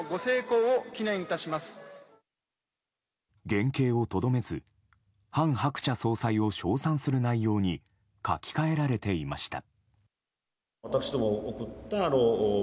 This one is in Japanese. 原形をとどめず、韓鶴子総裁を称賛する内容に書き換えられていました。